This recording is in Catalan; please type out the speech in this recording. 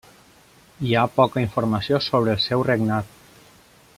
Hi ha poca informació sobre el seu regnat.